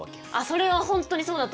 それは本当にそうだと思う。